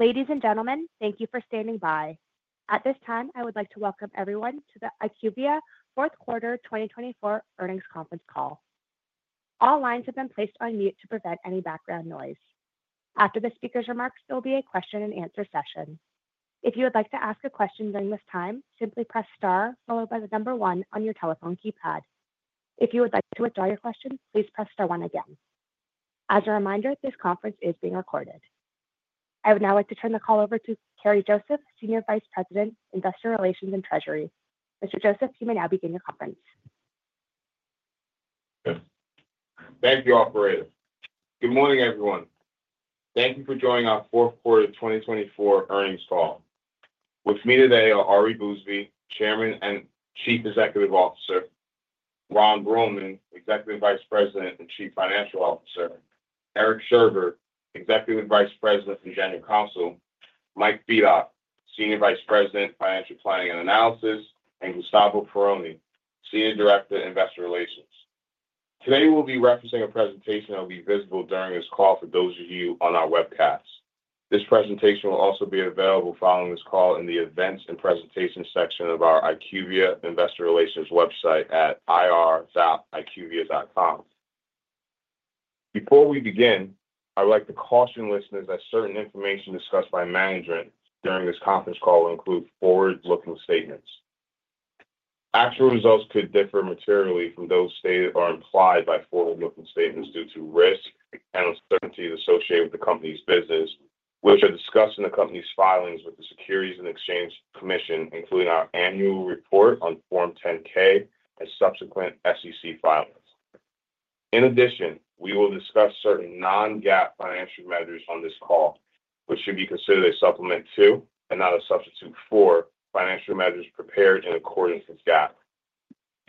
Ladies and gentlemen, thank you for standing by. At this time, I would like to welcome everyone to the IQVIA Fourth Quarter 2024 Earnings Conference call. All lines have been placed on mute to prevent any background noise. After the speaker's remarks, there will be a question-and-answer session. If you would like to ask a question during this time, simply press star, followed by the number one on your telephone keypad. If you would like to withdraw your question, please press star one again. As a reminder, this conference is being recorded. I would now like to turn the call over to Kerri Joseph, Senior Vice President, Investor Relations and Treasury. Ms. Joseph, you may now begin your conference. Thank you, Operator. Good morning, everyone. Thank you for joining our Fourth Quarter 2024 Earnings Call. With me today are Ari Bousbib, Chairman and Chief Executive Officer, Ron Bruehlman, Executive Vice President and Chief Financial Officer, Eric Sherbet, Executive Vice President and General Counsel, Mike Fedock, Senior Vice President, Financial Planning and Analysis, and Gustavo Pironi, Senior Director, Investor Relations. Today, we'll be referencing a presentation that will be visible during this call for those of you on our webcasts. This presentation will also be available following this call in the Events and Presentations section of our IQVIA Investor Relations website at ir.iqvia.com. Before we begin, I would like to caution listeners that certain information discussed by management during this conference call will include forward-looking statements. Actual results could differ materially from those stated or implied by forward-looking statements due to risk and uncertainties associated with the company's business, which are discussed in the company's filings with the Securities and Exchange Commission, including our annual report on Form 10-K and subsequent SEC filings. In addition, we will discuss certain non-GAAP financial measures on this call, which should be considered a supplement to and not a substitute for financial measures prepared in accordance with GAAP.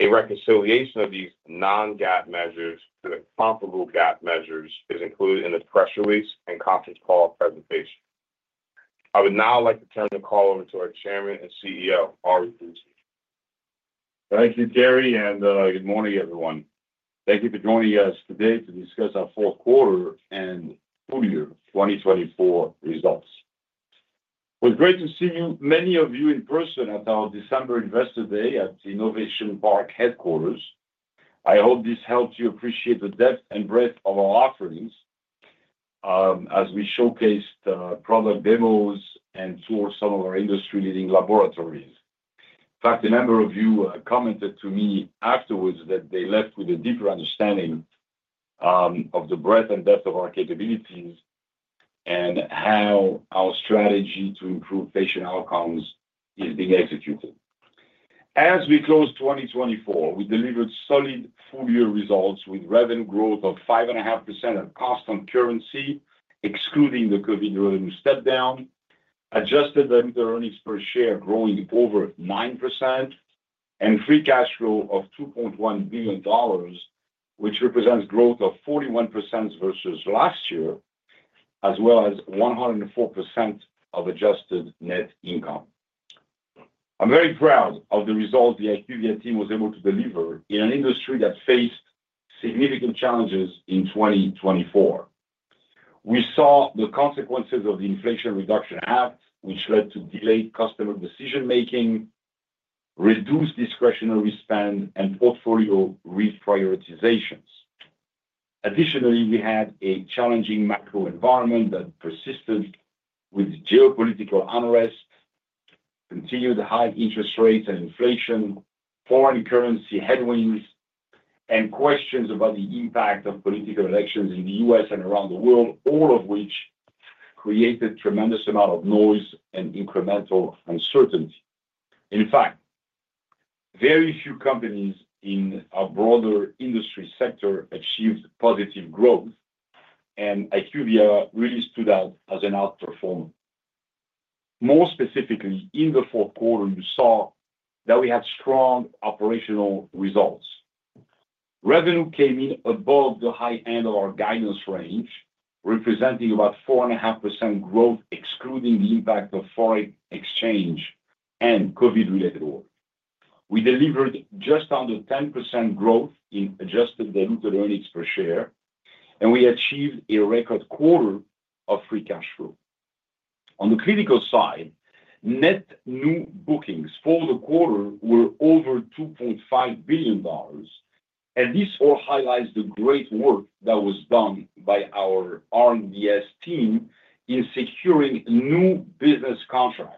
A reconciliation of these non-GAAP measures to the comparable GAAP measures is included in the press release and conference call presentation. I would now like to turn the call over to our Chairman and CEO, Ari Bousbib. Thank you, Kerri, and good morning, everyone. Thank you for joining us today to discuss our Fourth Quarter and full-year 2024 results. Well, great to see many of you in person at our December Investor Day at Innovation Park headquarters. I hope this helps you appreciate the depth and breadth of our offerings as we showcased product demos and toured some of our industry-leading laboratories. In fact, a number of you commented to me afterwards that they left with a deeper understanding of the breadth and depth of our capabilities and how our strategy to improve patient outcomes is being executed. As we close 2024, we delivered solid full-year results with revenue growth of 5.5% constant currency, excluding the COVID revenue step-down, adjusted net earnings per share growing over 9%, and free cash flow of $2.1 billion, which represents growth of 41% versus last year, as well as 104% of adjusted net income. I'm very proud of the results the IQVIA team was able to deliver in an industry that faced significant challenges in 2024. We saw the consequences of the Inflation Reduction Act, which led to delayed customer decision-making, reduced discretionary spend, and portfolio reprioritizations. Additionally, we had a challenging macro environment that persisted with geopolitical unrest, continued high interest rates and inflation, foreign currency headwinds, and questions about the impact of political elections in the U.S. and around the world, all of which created a tremendous amount of noise and incremental uncertainty. In fact, very few companies in our broader industry sector achieved positive growth, and IQVIA really stood out as an outperformer. More specifically, in the fourth quarter, you saw that we had strong operational results. Revenue came in above the high end of our guidance range, representing about 4.5% growth, excluding the impact of foreign exchange and COVID-related work. We delivered just under 10% growth in adjusted net earnings per share, and we achieved a record quarter of free cash flow. On the bookings side, net new bookings for the quarter were over $2.5 billion, and this all highlights the great work that was done by our R&DS team in securing new business contracts.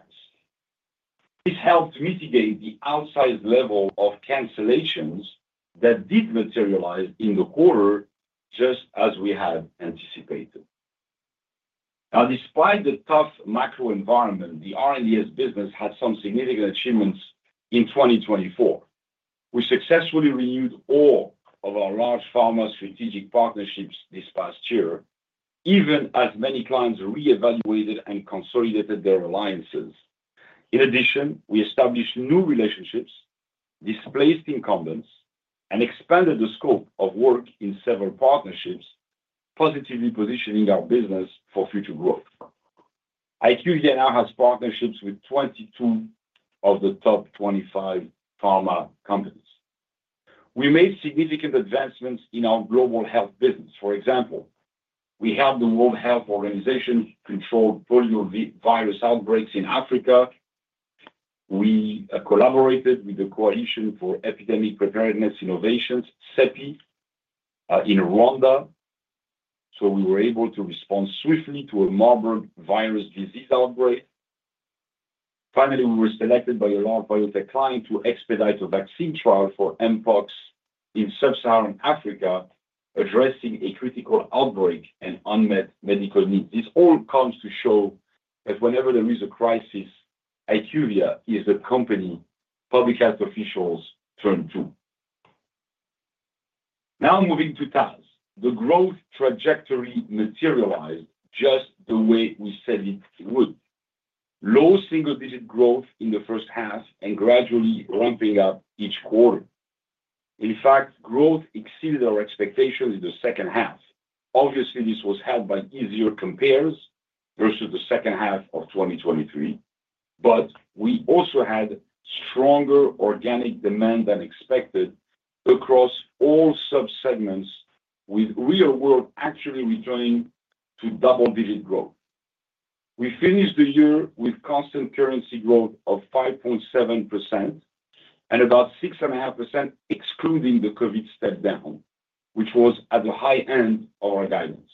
This helped mitigate the outsized level of cancellations that did materialize in the quarter, just as we had anticipated. Now, despite the tough macro environment, the R&DS business had some significant achievements in 2024. We successfully renewed all of our large pharma strategic partnerships this past year, even as many clients reevaluated and consolidated their alliances. In addition, we established new relationships, displaced incumbents, and expanded the scope of work in several partnerships, positively positioning our business for future growth. IQVIA now has partnerships with 22 of the top 25 pharma companies. We made significant advancements in our global health business. For example, we helped the World Health Organization control polio virus outbreaks in Africa. We collaborated with the Coalition for Epidemic Preparedness Innovations, CEPI, in Rwanda, so we were able to respond swiftly to a Marburg virus disease outbreak. Finally, we were selected by a large biotech client to expedite a vaccine trial for mpox in sub-Saharan Africa, addressing a critical outbreak and unmet medical needs. This all comes to show that whenever there is a crisis, IQVIA is the company public health officials turn to. Now, moving to TAS, the growth trajectory materialized just the way we said it would: low single-digit growth in the first half and gradually ramping up each quarter. In fact, growth exceeded our expectations in the second half. Obviously, this was helped by easier compares versus the second half of 2023, but we also had stronger organic demand than expected across all subsegments, with real-world actually returning to double-digit growth. We finished the year with constant currency growth of 5.7% and about 6.5%, excluding the COVID step-down, which was at the high end of our guidance.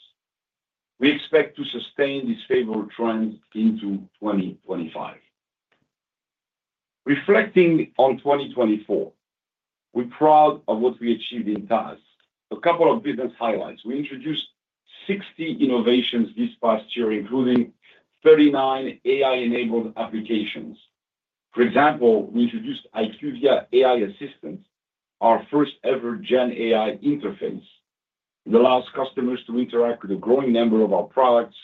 We expect to sustain this favorable trend into 2025. Reflecting on 2024, we're proud of what we achieved in TAS. A couple of business highlights: we introduced 60 innovations this past year, including 39 AI-enabled applications. For example, we introduced IQVIA AI Assistant, our first-ever Gen AI interface, that allows customers to interact with a growing number of our products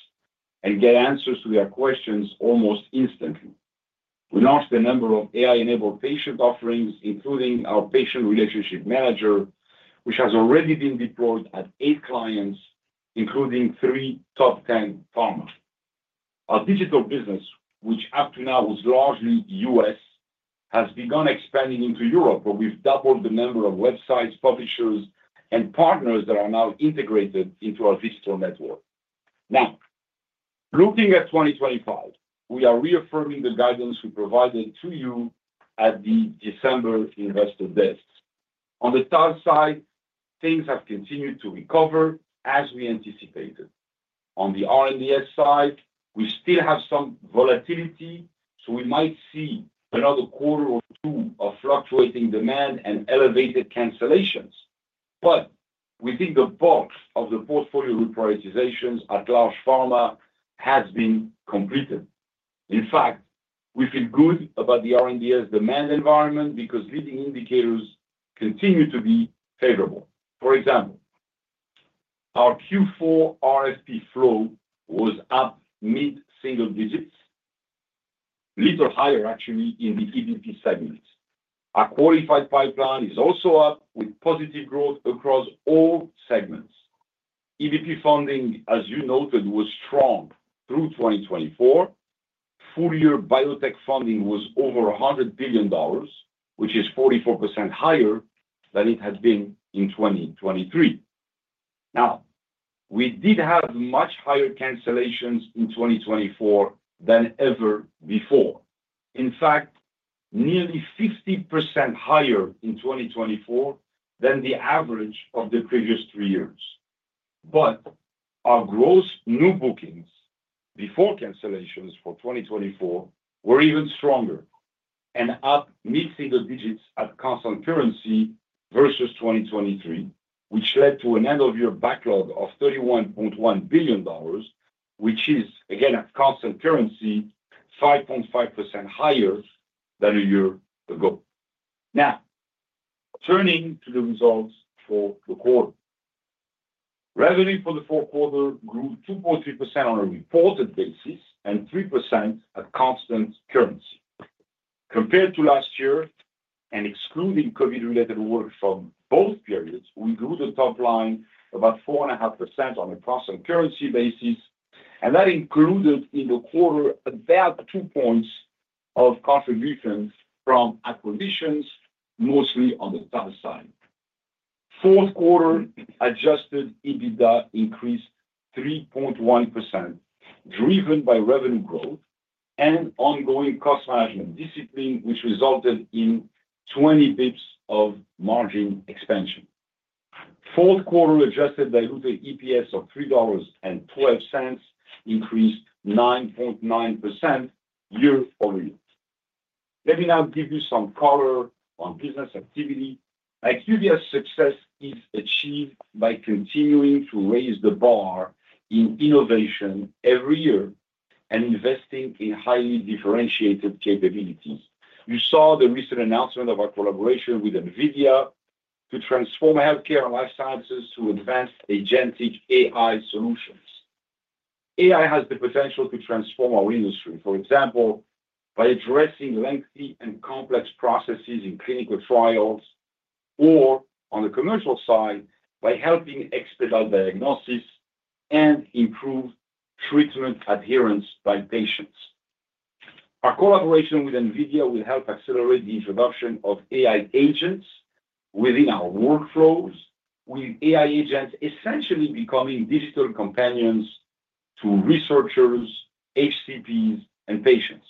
and get answers to their questions almost instantly. We launched a number of AI-enabled patient offerings, including our Patient Relationship Manager, which has already been deployed at eight clients, including three top-10 pharma. Our digital business, which up to now was largely U.S., has begun expanding into Europe, where we've doubled the number of websites, publishers, and partners that are now integrated into our digital network. Now, looking at 2025, we are reaffirming the guidance we provided to you at the December Investor Days. On the TAS side, things have continued to recover as we anticipated. On the R&DS side, we still have some volatility, so we might see another quarter or two of fluctuating demand and elevated cancellations, but we think the bulk of the portfolio reprioritizations at large pharma has been completed. In fact, we feel good about the R&DS demand environment because leading indicators continue to be favorable. For example, our Q4 RFP flow was up mid-single digits, a little higher actually in the EBP segment. Our qualified pipeline is also up, with positive growth across all segments. EBP funding, as you noted, was strong through 2024. Full-year biotech funding was over $100 billion, which is 44% higher than it had been in 2023. Now, we did have much higher cancellations in 2024 than ever before. In fact, nearly 50% higher in 2024 than the average of the previous three years. But our gross new bookings before cancellations for 2024 were even stronger and up mid-single digits at constant currency versus 2023, which led to an end-of-year backlog of $31.1 billion, which is, again, at constant currency, 5.5% higher than a year ago. Now, turning to the results for the quarter, revenue for the fourth quarter grew 2.3% on a reported basis and 3% at constant currency. Compared to last year, and excluding COVID-related work from both periods, we grew the top line about 4.5% on a constant currency basis, and that included in the quarter about two points of contributions from acquisitions, mostly on the TAS side. Fourth quarter adjusted EBITDA increased 3.1%, driven by revenue growth and ongoing cost management discipline, which resulted in 20 basis points of margin expansion. Fourth quarter adjusted diluted EPS of $3.12 increased 9.9% year over year. Let me now give you some color on business activity. IQVIA's success is achieved by continuing to raise the bar in innovation every year and investing in highly differentiated capabilities. You saw the recent announcement of our collaboration with NVIDIA to transform healthcare and life sciences to advanced agentic AI solutions. AI has the potential to transform our industry, for example, by addressing lengthy and complex processes in clinical trials or, on the commercial side, by helping expedite diagnosis and improve treatment adherence by patients. Our collaboration with NVIDIA will help accelerate the introduction of AI agents within our workflows, with AI agents essentially becoming digital companions to researchers, HCPs, and patients.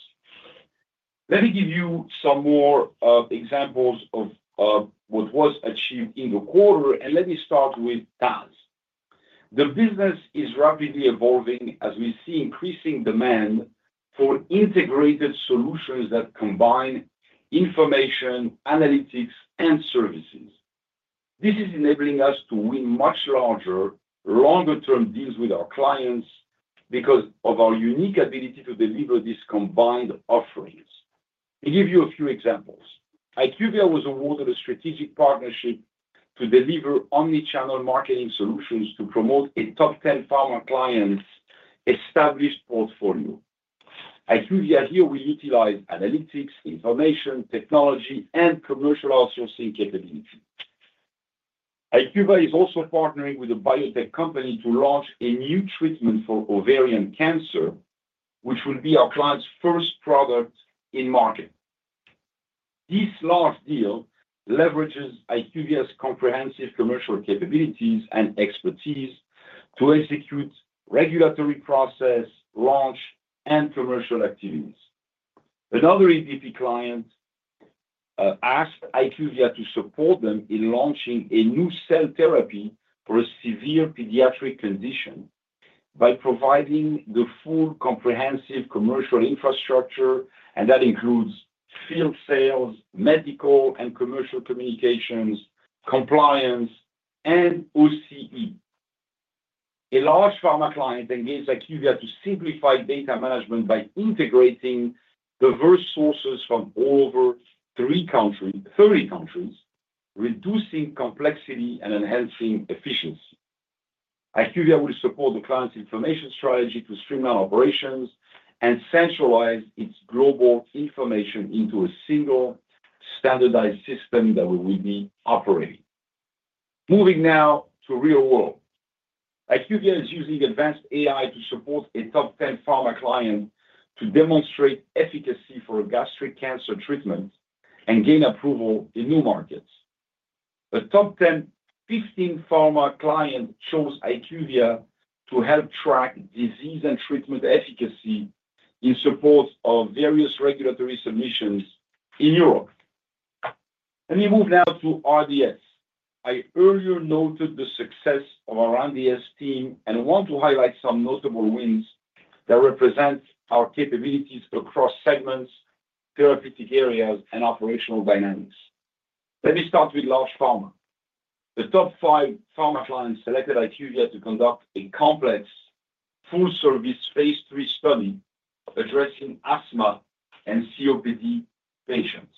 Let me give you some more examples of what was achieved in the quarter, and let me start with TAS. The business is rapidly evolving as we see increasing demand for integrated solutions that combine information, analytics, and services. This is enabling us to win much larger, longer-term deals with our clients because of our unique ability to deliver these combined offerings. I'll give you a few examples. IQVIA was awarded a strategic partnership to deliver omnichannel marketing solutions to promote a top-10 pharma client's established portfolio. At IQVIA here, we utilize analytics, information, technology, and commercial outsourcing capability. IQVIA is also partnering with a biotech company to launch a new treatment for ovarian cancer, which will be our client's first product in market. This large deal leverages IQVIA's comprehensive commercial capabilities and expertise to execute regulatory process, launch, and commercial activities. Another EBP client asked IQVIA to support them in launching a new cell therapy for a severe pediatric condition by providing the full comprehensive commercial infrastructure, and that includes field sales, medical and commercial communications, compliance, and OCE. A large pharma client engaged IQVIA to simplify data management by integrating diverse sources from all over 30 countries, reducing complexity and enhancing efficiency. IQVIA will support the client's information strategy to streamline operations and centralize its global information into a single standardized system that we will be operating. Moving now to real-world, IQVIA is using advanced AI to support a top-10 pharma client to demonstrate efficacy for gastric cancer treatment and gain approval in new markets. A top-10, 15 pharma client chose IQVIA to help track disease and treatment efficacy in support of various regulatory submissions in Europe. Let me move now to R&DS. I earlier noted the success of our R&DS team and want to highlight some notable wins that represent our capabilities across segments, therapeutic areas, and operational dynamics. Let me start with large pharma. The top five pharma clients selected IQVIA to conduct a complex full-service phase three study addressing asthma and COPD patients.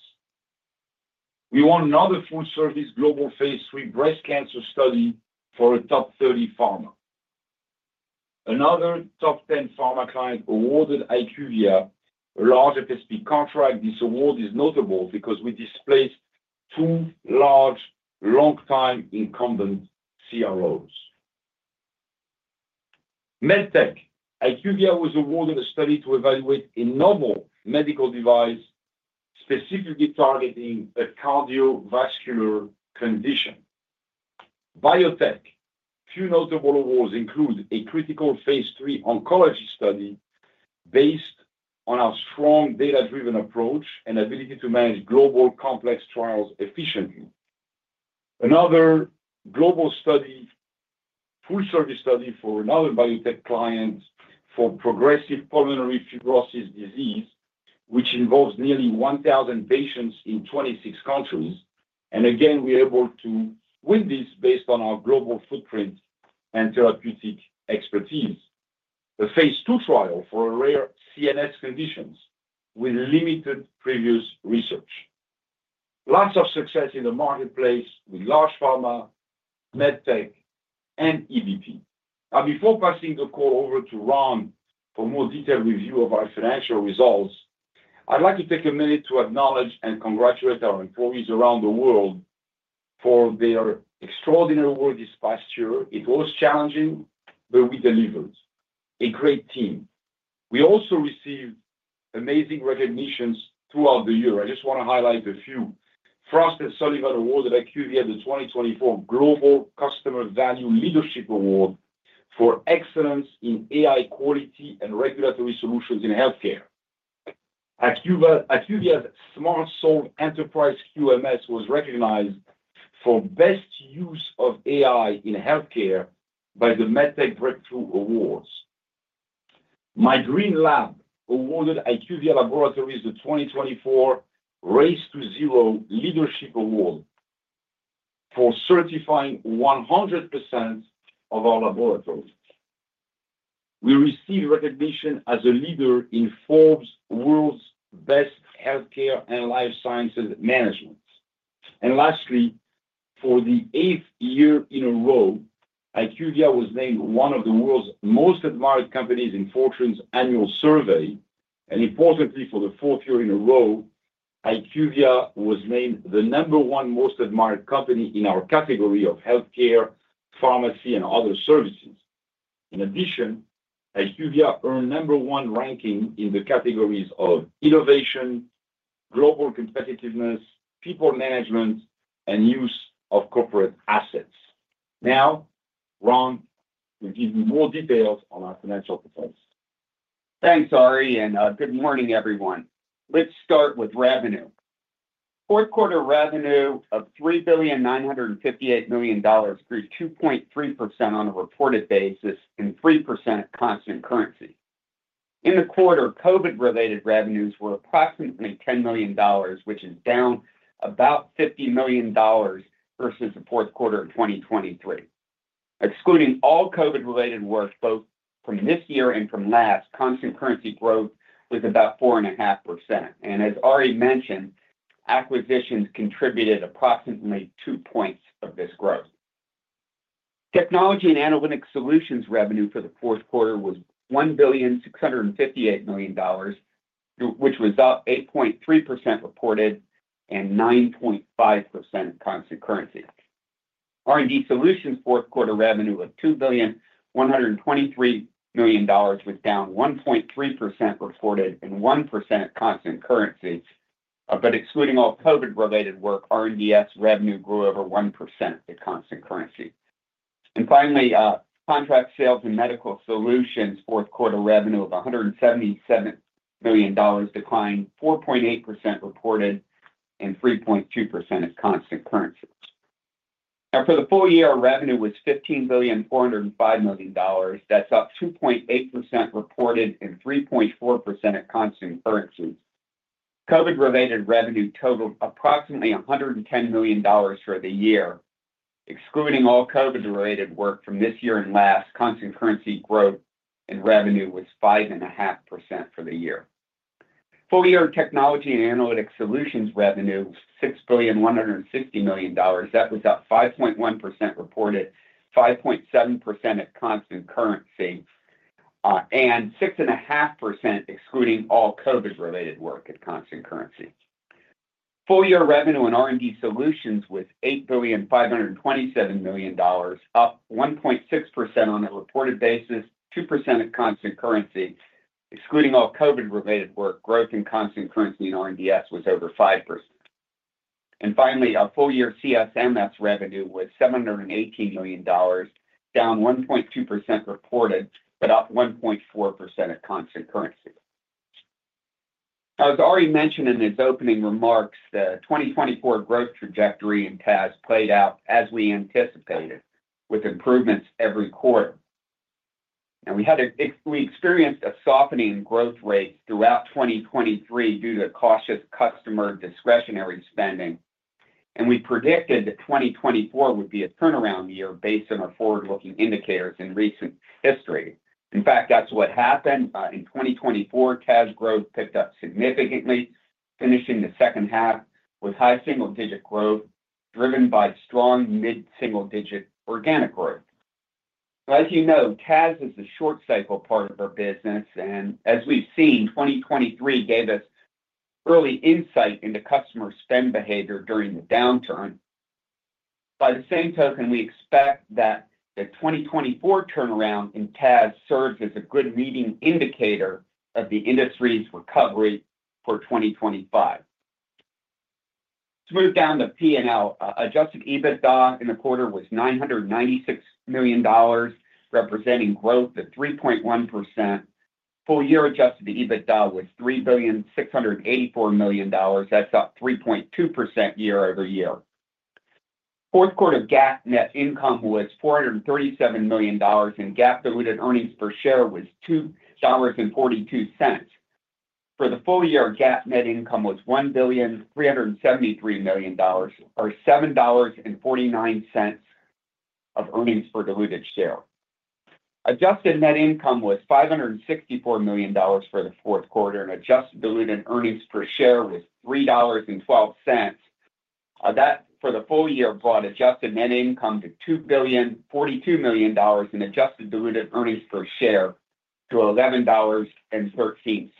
We won another full-service global phase three breast cancer study for a top 30 pharma. Another top-10 pharma client awarded IQVIA a large FSP contract. This award is notable because we displaced two large long-time incumbent CROs. MedTech. IQVIA was awarded a study to evaluate a novel medical device specifically targeting a cardiovascular condition. Biotech. Two notable awards include a critical phase three oncology study based on our strong data-driven approach and ability to manage global complex trials efficiently. Another global study, full-service study for another biotech client for progressive pulmonary fibrosis disease, which involves nearly 1,000 patients in 26 countries. And again, we are able to win this based on our global footprint and therapeutic expertise. A phase two trial for a rare CNS condition with limited previous research. Lots of success in the marketplace with large pharma, MedTech, and EBP. Now, before passing the call over to Ron for more detailed review of our financial results, I'd like to take a minute to acknowledge and congratulate our employees around the world for their extraordinary work this past year. It was challenging, but we delivered. A great team. We also received amazing recognitions throughout the year. I just want to highlight a few. Frost & Sullivan awarded IQVIA the 2024 Global Customer Value Leadership Award for excellence in AI quality and regulatory solutions in healthcare. IQVIA's SmartSolve Enterprise QMS was recognized for best use of AI in healthcare by the MedTech Breakthrough Awards. My Green Lab awarded IQVIA Laboratories the 2024 Race to Zero Leadership Award for certifying 100% of our laboratories. We received recognition as a leader in Forbes' world's best healthcare and life sciences management. And lastly, for the eighth year in a row, IQVIA was named one of the world's most admired companies in Fortune's annual survey. And importantly, for the fourth year in a row, IQVIA was named the number one most admired company in our category of Healthcare, Pharmacy, and Other Services. In addition, IQVIA earned number one ranking in the categories of Innovation, Global Competitiveness, People Management, and Use of Corporate Assets. Now, Ron, we'll give you more details on our financial performance. Thanks, Ari, and good morning, everyone. Let's start with revenue. Fourth quarter revenue of $3,958 million grew 2.3% on a reported basis and 3% at constant currency. In the quarter, COVID-related revenues were approximately $10 million, which is down about $50 million versus the fourth quarter of 2023. Excluding all COVID-related work, both from this year and from last, constant currency growth was about 4.5%, and as Ari mentioned, acquisitions contributed approximately two points of this growth. Technology and Analytics Solutions revenue for the fourth quarter was $1,658 million, which was up 8.3% reported and 9.5% at constant currency. R&D Solutions' fourth quarter revenue of $2,123 million was down 1.3% reported and 1% at constant currency, but excluding all COVID-related work, R&DS revenue grew over 1% at constant currency, and finally, Contract Sales and Medical Solutions' fourth quarter revenue of $177 million declined 4.8% reported and 3.2% at constant currency. Now, for the full year, revenue was $15,405 million. That's up 2.8% reported and 3.4% at constant currency. COVID-related revenue totaled approximately $110 million for the year. Excluding all COVID-related work from this year and last, constant currency growth in revenue was 5.5% for the year. Full-year Technology and Analytics Solutions revenue was $6,160 million. That was up 5.1% reported, 5.7% at constant currency, and 6.5% excluding all COVID-related work at constant currency. Full-year revenue in R&D Solutions was $8,527 million, up 1.6% on a reported basis, 2% at constant currency. Excluding all COVID-related work, growth in constant currency in R&DS was over 5%. And finally, our full-year CSMS revenue was $718 million, down 1.2% reported, but up 1.4% at constant currency. As Ari mentioned in his opening remarks, the 2024 growth trajectory in TAS played out as we anticipated, with improvements every quarter. We experienced a softening in growth rates throughout 2023 due to cautious customer discretionary spending. We predicted that 2024 would be a turnaround year based on our forward-looking indicators in recent history. In fact, that's what happened. In 2024, TAS growth picked up significantly, finishing the second half with high single-digit growth driven by strong mid-single-digit organic growth. As you know, TAS is a short-cycle part of our business, and as we've seen, 2023 gave us early insight into customer spend behavior during the downturn. By the same token, we expect that the 2024 turnaround in TAS serves as a good leading indicator of the industry's recovery for 2025. To move down the P&L, Adjusted EBITDA in the quarter was $996 million, representing growth of 3.1%. Full year Adjusted EBITDA was $3,684 million. That's up 3.2% year over year. Fourth quarter GAAP net income was $437 million, and GAAP diluted earnings per share was $2.42. For the full year, GAAP net income was $1,373 million, or $7.49 of earnings per diluted share. Adjusted net income was $564 million for the fourth quarter, and adjusted diluted earnings per share was $3.12. That for the full year brought adjusted net income to $2,042 million and adjusted diluted earnings per share to $11.13.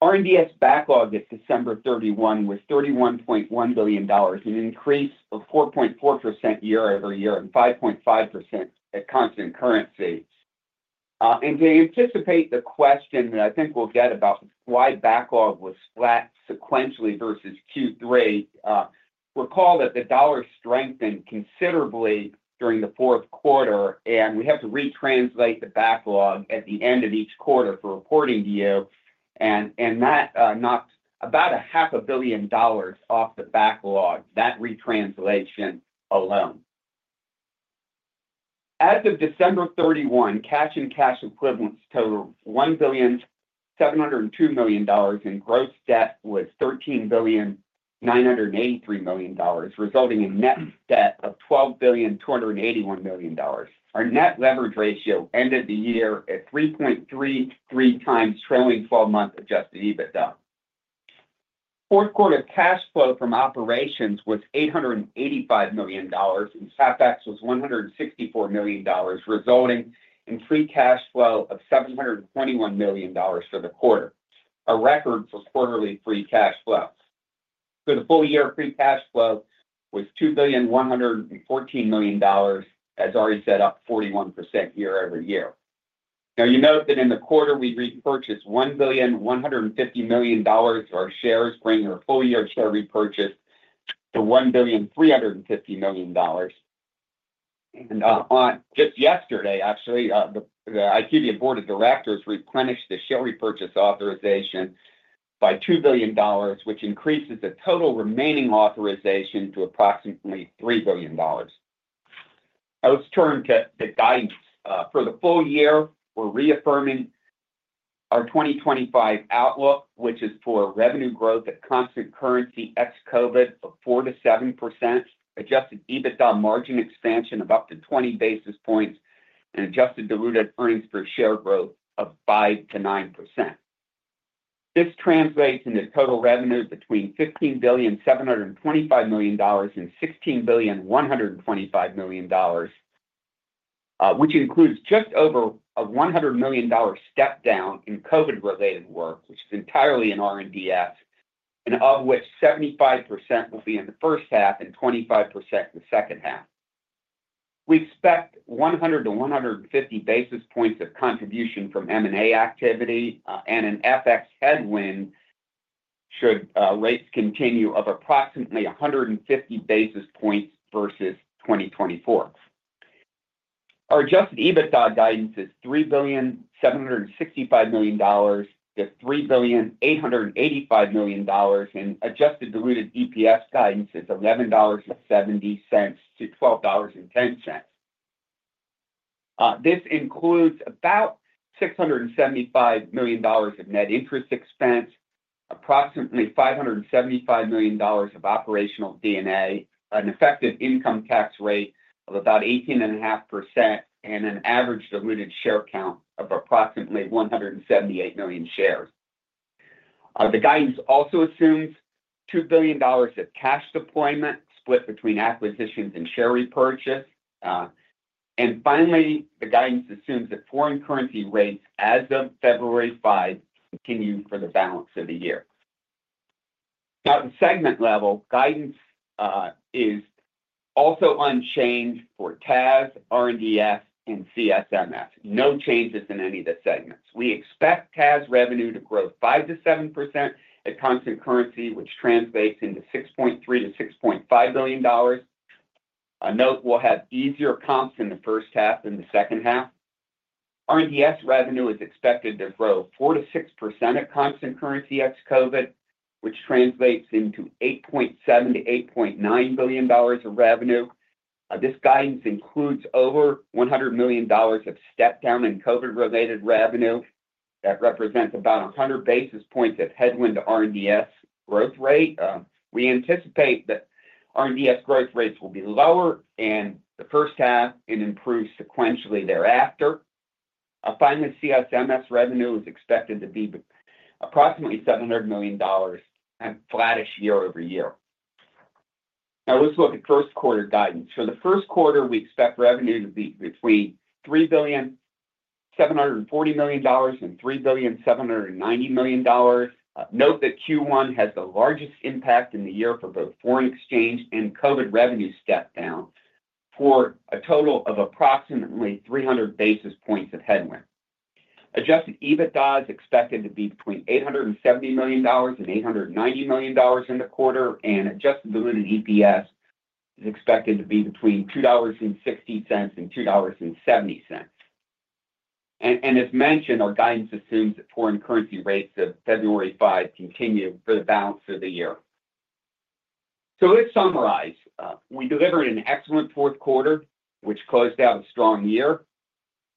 R&DS backlog at December 31 was $31.1 billion, an increase of 4.4% year over year and 5.5% at constant currency. To anticipate the question that I think we'll get about why backlog was flat sequentially versus Q3, recall that the dollar strengthened considerably during the fourth quarter, and we have to retranslate the backlog at the end of each quarter for reporting view, and that knocked about $500 million off the backlog, that retranslation alone. As of December 31, cash and cash equivalents totaled $1,702 million and gross debt was $13,983 million, resulting in net debt of $12,281 million. Our net leverage ratio ended the year at 3.33 times trailing 12-month adjusted EBITDA. Fourth quarter cash flow from operations was $885 million, and CapEx was $164 million, resulting in free cash flow of $721 million for the quarter, a record for quarterly free cash flow. For the full year, free cash flow was $2,114 million, as Ari said, up 41% year over year. Now, you'll note that in the quarter, we repurchased $1,150 million of our shares, bringing our full year share repurchase to $1,350 million, and just yesterday, actually, the IQVIA Board of Directors replenished the share repurchase authorization by $2 billion, which increases the total remaining authorization to approximately $3 billion. I'll turn to the guidance. For the full year, we're reaffirming our 2025 outlook, which is for revenue growth at constant currency ex-COVID of 4%-7%, adjusted EBITDA margin expansion of up to 20 basis points, and adjusted diluted earnings per share growth of 5%-9%. This translates into total revenue between $15,725 million and $16,125 million, which includes just over a $100 million step down in COVID-related work, which is entirely in R&DS, and of which 75% will be in the first half and 25% in the second half. We expect 100-150 basis points of contribution from M&A activity and an FX headwind should rates continue of approximately 150 basis points versus 2024. Our adjusted EBITDA guidance is $3,765 million-$3,885 million, and adjusted diluted EPS guidance is $11.70-$12.10. This includes about $675 million of net interest expense, approximately $575 million of operational D&A, an effective income tax rate of about 18.5%, and an average diluted share count of approximately 178 million shares. The guidance also assumes $2 billion of cash deployment split between acquisitions and share repurchase. And finally, the guidance assumes that foreign currency rates as of February 5 continue for the balance of the year. At the segment level, guidance is also unchanged for TAS, R&DS, and CSMS. No changes in any of the segments. We expect TAS revenue to grow 5-7% at constant currency, which translates into $6.3-$6.5 billion. Note we'll have easier comps in the first half than the second half. R&DS revenue is expected to grow 4-6% at constant currency ex-COVID, which translates into $8.7-$8.9 billion of revenue. This guidance includes over $100 million of step down in COVID-related revenue that represents about 100 basis points of headwind to R&DS growth rate. We anticipate that R&DS growth rates will be lower in the first half and improve sequentially thereafter. Finally, CSMS revenue is expected to be approximately $700 million and flattish year over year. Now, let's look at first quarter guidance. For the first quarter, we expect revenue to be between $3,740 million and $3,790 million. Note that Q1 has the largest impact in the year for both foreign exchange and COVID revenue step down for a total of approximately 300 basis points of headwind. Adjusted EBITDA is expected to be between $870 million and $890 million in the quarter, and Adjusted Diluted EPS is expected to be between $2.60 and $2.70. As mentioned, our guidance assumes that foreign currency rates of February 5 continue for the balance of the year. Let's summarize. We delivered an excellent fourth quarter, which closed out a strong year.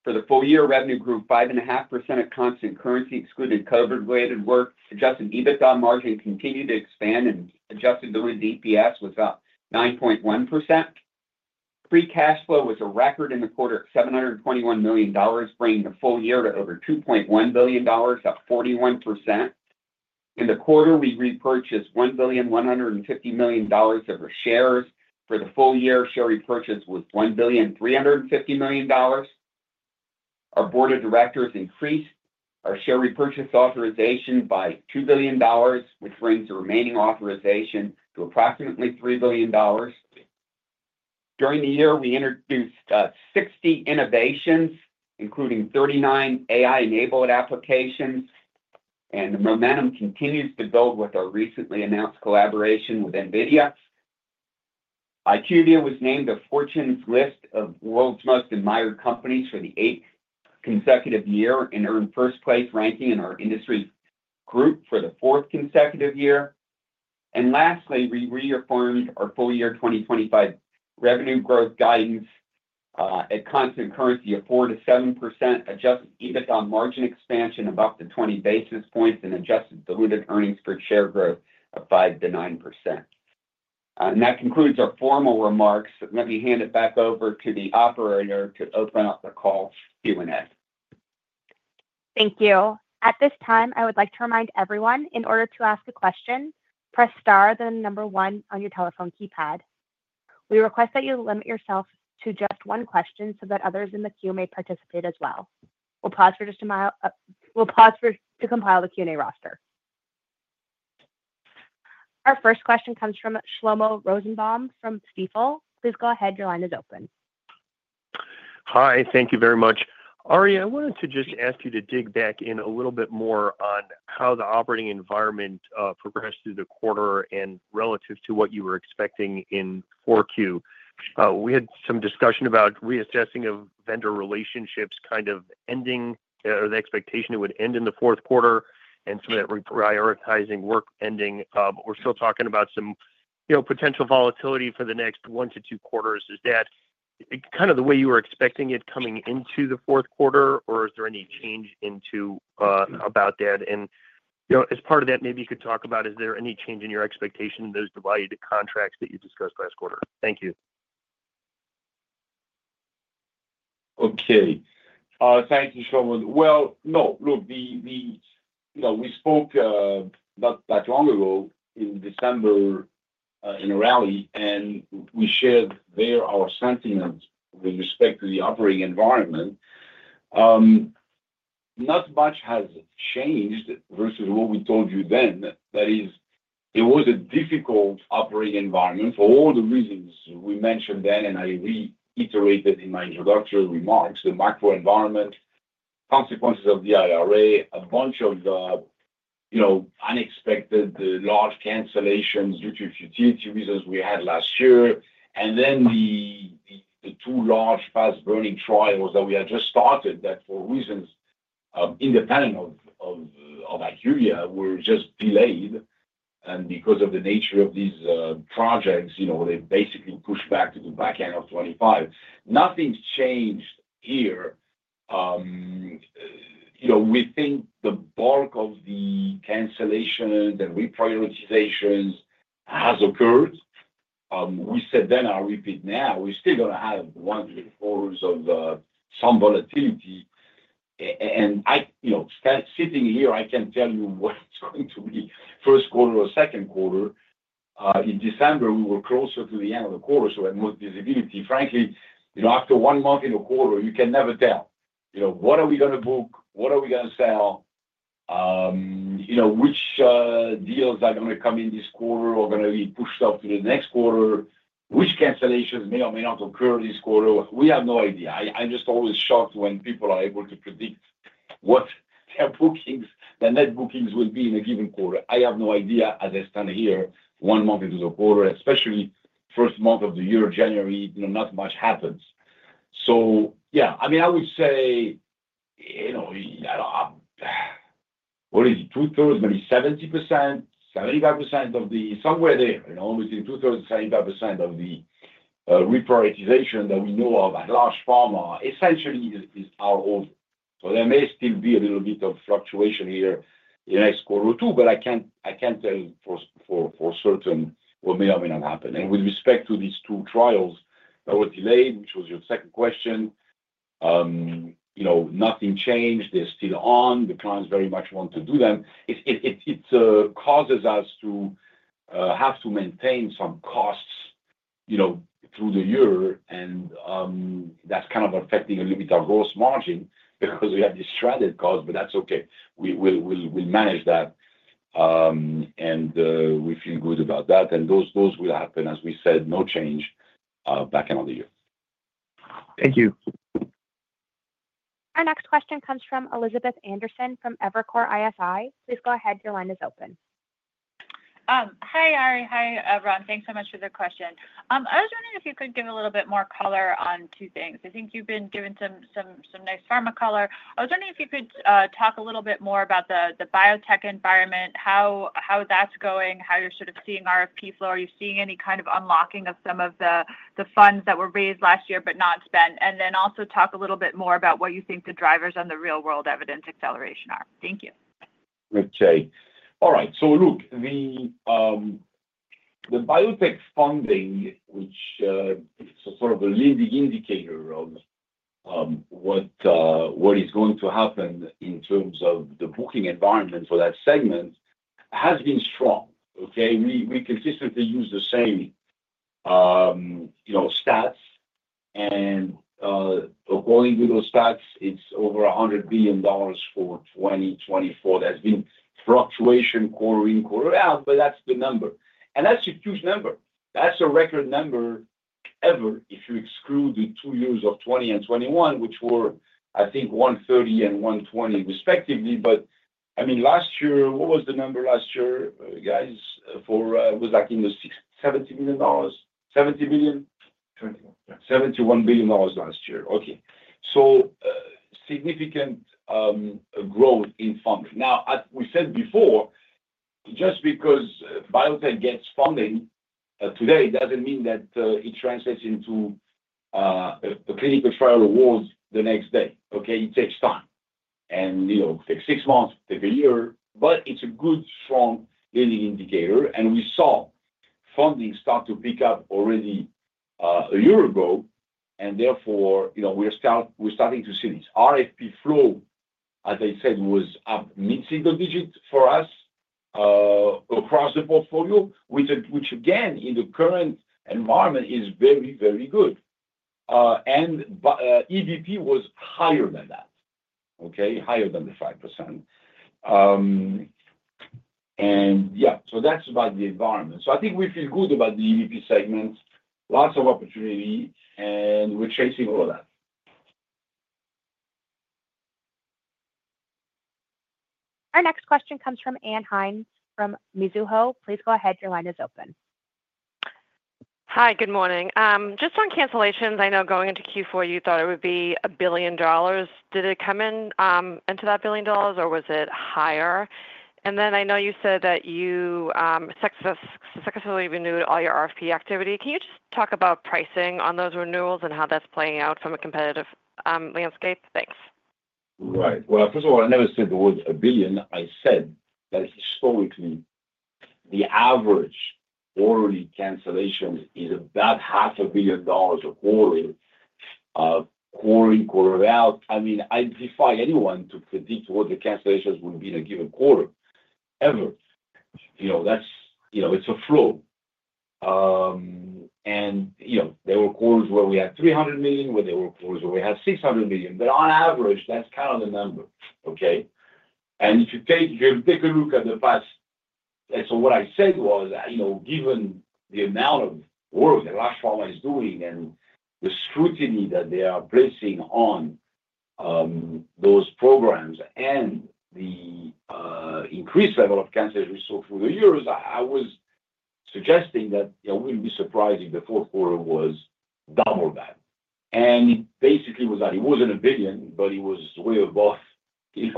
For the full year, revenue grew 5.5% at constant currency excluding COVID-related work. Adjusted EBITDA margin continued to expand, and Adjusted Diluted EPS was up 9.1%. Free cash flow was a record in the quarter at $721 million, bringing the full year to over $2.1 billion, up 41%. In the quarter, we repurchased $1,150 million of our shares. For the full year, share repurchase was $1,350 million. Our board of directors increased our share repurchase authorization by $2 billion, which brings the remaining authorization to approximately $3 billion. During the year, we introduced 60 innovations, including 39 AI-enabled applications, and the momentum continues to build with our recently announced collaboration with NVIDIA. IQVIA was named a Fortune's list of world's most admired companies for the eighth consecutive year and earned first place ranking in our industry group for the fourth consecutive year. And lastly, we reaffirmed our full year 2025 revenue growth guidance at constant currency of 4%-7%, adjusted EBITDA margin expansion of up to 20 basis points, and adjusted diluted earnings per share growth of 5%-9%. And that concludes our formal remarks. Let me hand it back over to the operator to open up the call Q&A. Thank you. At this time, I would like to remind everyone in order to ask a question, press star then the number one on your telephone keypad. We request that you limit yourself to just one question so that others in the queue may participate as well. We'll pause to compile the Q&A roster. Our first question comes from Shlomo Rosenbaum from Stifel. Please go ahead. Your line is open. Hi. Thank you very much. Ari, I wanted to just ask you to dig back in a little bit more on how the operating environment progressed through the quarter and relative to what you were expecting in Q4. We had some discussion about reassessment of vendor relationships kind of ending, or the expectation it would end in the fourth quarter, and some of that reprioritizing work ending. We're still talking about some potential volatility for the next one to two quarters. Is that kind of the way you were expecting it coming into the fourth quarter, or is there any change in how you think about that? And as part of that, maybe you could talk about, is there any change in your expectation in those deferred contracts that you discussed last quarter? Thank you. Okay. Thank you, Shlomo. Well, no, look, we spoke not that long ago in December in Raleigh, and we shared there our sentiment with respect to the operating environment. Not much has changed versus what we told you then. That is, it was a difficult operating environment for all the reasons we mentioned then, and I reiterated in my introductory remarks the macro environment, consequences of the IRA, a bunch of unexpected large cancellations due to futility reasons we had last year, and then the two large fast-burning trials that we had just started that, for reasons independent of IQVIA, were just delayed, and because of the nature of these projects, they basically pushed back to the back end of 2025. Nothing's changed here. We think the bulk of the cancellations and reprioritizations has occurred. We said then, I'll repeat now, we're still going to have the ones before of some volatility, and sitting here, I can tell you what it's going to be first quarter or second quarter. In December, we were closer to the end of the quarter, so we had more visibility. Frankly, after one month in a quarter, you can never tell. What are we going to book? What are we going to sell? Which deals are going to come in this quarter or going to be pushed up to the next quarter? Which cancellations may or may not occur this quarter? We have no idea. I'm just always shocked when people are able to predict what their bookings and net bookings will be in a given quarter. I have no idea as I stand here one month into the quarter, especially first month of the year, January, not much happens. So yeah, I mean, I would say, what is it, two-thirds, maybe 70%-75% of it somewhere there, between two-thirds and 75% of the reprioritization that we know of at large pharma essentially is over. So there may still be a little bit of fluctuation here in the next quarter or two, but I can't tell for certain what may or may not happen. With respect to these two trials that were delayed, which was your second question, nothing changed. They're still on. The clients very much want to do them. It causes us to have to maintain some costs through the year, and that's kind of affecting a little bit our gross margin because we have deferred costs, but that's okay. We'll manage that, and we feel good about that. Those will happen, as we said, no change, in the second half of the year. Thank you. Our next question comes from Elizabeth Anderson from Evercore ISI. Please go ahead. Your line is open. Hi, Ari. Hi, Ron. Thanks so much for the question. I was wondering if you could give a little bit more color on two things. I think you've been given some nice pharma color. I was wondering if you could talk a little bit more about the biotech environment, how that's going, how you're sort of seeing RFP flow. Are you seeing any kind of unlocking of some of the funds that were raised last year but not spent? And then also talk a little bit more about what you think the drivers on the real-world evidence acceleration are. Thank you. Okay. All right. So look, the biotech funding, which is sort of a leading indicator of what is going to happen in terms of the booking environment for that segment, has been strong. Okay? We consistently use the same stats, and according to those stats, it's over $100 billion for 2024. There's been fluctuation quarter in, quarter out, but that's the number. And that's a huge number. That's a record number ever if you exclude the two years of 2020 and 2021, which were, I think, $130 and $120 respectively. But I mean, last year, what was the number last year, guys? It was like in the $70 million? $70 million? $71 billion last year. Okay. So significant growth in funding. Now, as we said before, just because biotech gets funding today doesn't mean that it translates into a clinical trial award the next day. Okay? It takes time. It takes six months, it takes a year, but it's a good, strong leading indicator. We saw funding start to pick up already a year ago, and therefore, we're starting to see this. RFP flow, as I said, was up mid-single digit for us across the portfolio, which again, in the current environment, is very, very good. And EBP was higher than that. Okay? Higher than the 5%. And yeah, so that's about the environment. So I think we feel good about the EBP segment, lots of opportunity, and we're chasing all of that. Our next question comes from Ann Hynes from Mizuho. Please go ahead. Your line is open. Hi. Good morning. Just on cancellations, I know going into Q4, you thought it would be $1 billion. Did it come into that billion dollars, or was it higher? And then I know you said that you successfully renewed all your RFP activity. Can you just talk about pricing on those renewals and how that's playing out from a competitive landscape? Thanks. Right. Well, first of all, I never said the word a billion. I said that historically, the average quarterly cancellation is about $500 million a quarter, quarter in, quarter out. I mean, I defy anyone to predict what the cancellations will be in a given quarter, ever. That's a flow. And there were quarters where we had $300 million, where there were quarters where we had $600 million. But on average, that's kind of the number. Okay? If you take a look at the past, so what I said was, given the amount of work that large pharma is doing and the scrutiny that they are placing on those programs and the increased level of cancellations we saw through the years, I was suggesting that it wouldn't be surprising if the fourth quarter was double that. It basically was that. It wasn't a billion, but it was way above the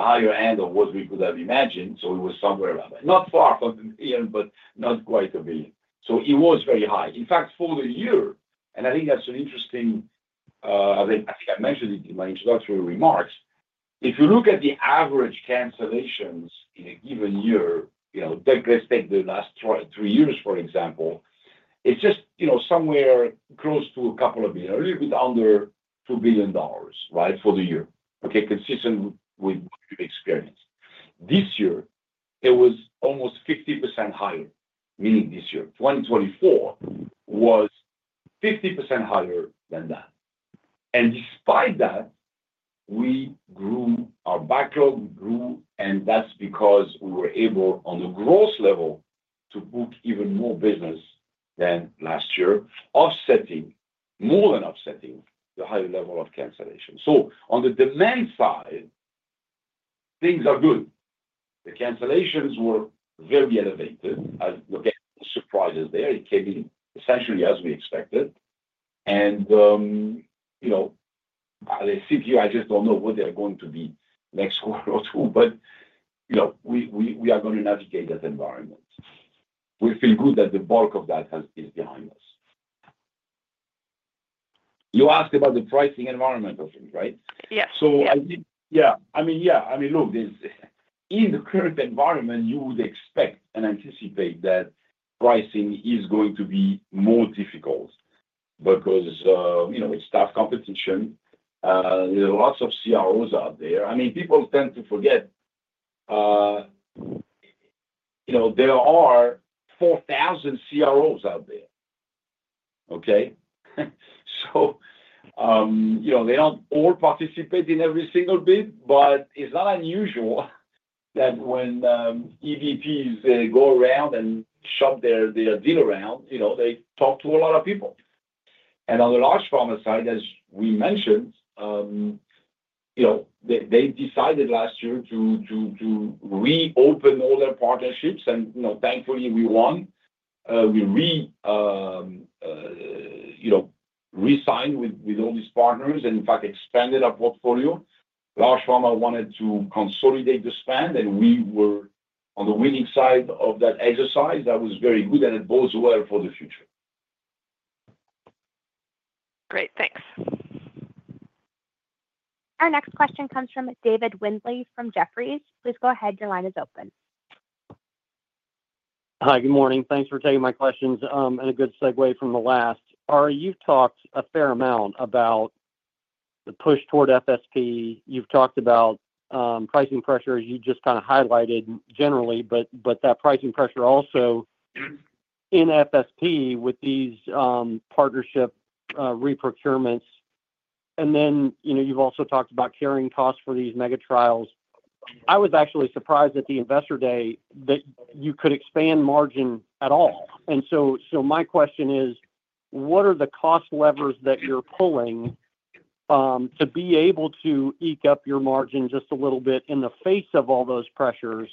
higher end of what we could have imagined. It was somewhere around that. Not far from a million, but not quite a billion. It was very high. In fact, for the year, and I think that's an interesting, I think I mentioned it in my introductory remarks. If you look at the average cancellations in a given year, let's take the last three years, for example. It's just somewhere close to a couple of billion, a little bit under $2 billion, right, for the year. Okay? Consistent with what we've experienced. This year, it was almost 50% higher, meaning this year. 2024 was 50% higher than that. And despite that, we grew our backlog, we grew, and that's because we were able, on the gross level, to book even more business than last year, offsetting, more than offsetting, the higher level of cancellations. So on the demand side, things are good. The cancellations were very elevated. Again, no surprises there. It came in essentially as we expected. And I think you—I just don't know what they're going to be next quarter or two, but we are going to navigate that environment. We feel good that the bulk of that is behind us. You asked about the pricing environment of things, right? Yes. So I think, yeah. I mean, yeah. I mean, look, in the current environment, you would expect and anticipate that pricing is going to be more difficult because it's tough competition. There are lots of CROs out there. I mean, people tend to forget there are 4,000 CROs out there. Okay? So they don't all participate in every single bit, but it's not unusual that when EBPs go around and shop their deal around, they talk to a lot of people. And on the large pharma side, as we mentioned, they decided last year to reopen all their partnerships. And thankfully, we won. We re-signed with all these partners and, in fact, expanded our portfolio. Large pharma wanted to consolidate the spend, and we were on the winning side of that exercise. That was very good, and it bodes well for the future. Great. Thanks. Our next question comes from David Windley from Jefferies. Please go ahead. Your line is open. Hi. Good morning. Thanks for taking my questions and a good segue from the last. Ari, you've talked a fair amount about the push toward FSP. You've talked about pricing pressures. You just kind of highlighted generally, but that pricing pressure also in FSP with these partnership reprocurements. And then you've also talked about carrying costs for these mega trials. I was actually surprised at the investor day that you could expand margin at all. So my question is, what are the cost levers that you're pulling to be able to eke up your margin just a little bit in the face of all those pressures?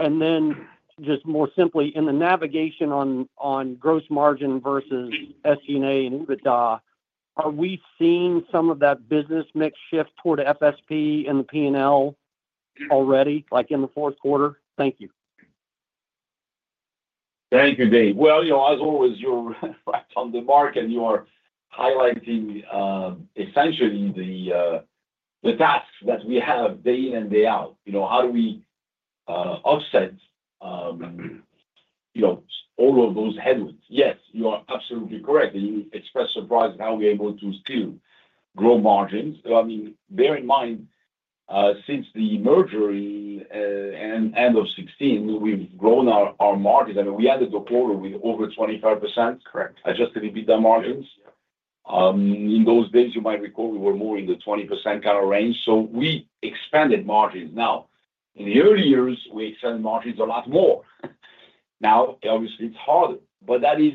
And then just more simply, in the navigation on gross margin versus SG&A and EBITDA, are we seeing some of that business mix shift toward FSP and the P&L already, like in the fourth quarter? Thank you. Thank you, Dave. As always, you're right on the mark, and you are highlighting essentially the TAS that we have day in and day out. How do we offset all of those headwinds? Yes, you are absolutely correct. And you express surprise at how we're able to still grow margins. I mean, bear in mind, since the merger at the end of 2016, we've grown our margins. I mean, we ended the quarter with over 25% adjusted EBITDA margins. In those days, you might recall we were more in the 20% kind of range. So we expanded margins. Now, in the early years, we expanded margins a lot more. Now, obviously, it's harder, but that is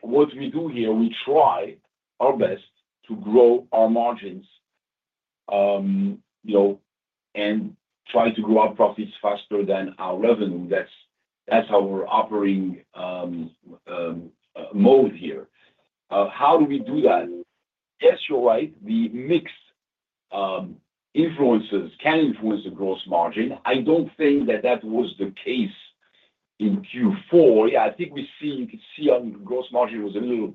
what we do here. We try our best to grow our margins and try to grow our profits faster than our revenue. That's our operating mode here. How do we do that? Yes, you're right. The mix can influence the gross margin. I don't think that was the case in Q4. Yeah, I think the gross margin was a little